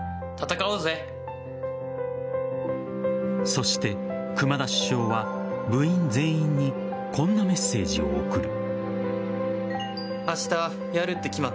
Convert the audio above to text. そして熊田主将は部員全員にこんなメッセージを送る。